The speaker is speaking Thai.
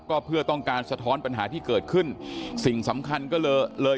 ก็เพื่อต้องการสะท้อนปัญหาที่เกิดขึ้นสิ่งสำคัญก็เลยเลย